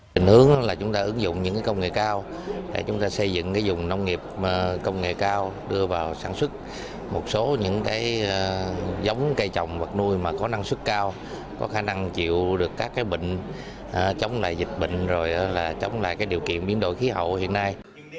định hướng là chúng ta ứng dụng những công nghệ cao để chúng ta xây dựng dùng nông nghiệp công nghệ cao đưa vào sản xuất một số những giống cây trồng vật nuôi mà có năng suất cao có khả năng chịu được các bệnh chống lại dịch bệnh rồi là chống lại điều kiện biến đổi khí hậu hiện nay